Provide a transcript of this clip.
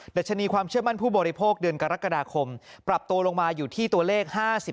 ัชนีความเชื่อมั่นผู้บริโภคเดือนกรกฎาคมปรับตัวลงมาอยู่ที่ตัวเลข๕๐